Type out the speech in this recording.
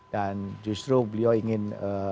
dan justru beliau ingin